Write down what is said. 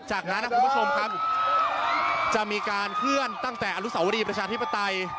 จากนั้นนะครับคุณผู้ชมครับจะมีการเคลื่อนตั้งแต่อนุสาวรีประชาธิปไตย